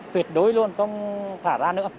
tuyệt đối luôn không thả ra nữa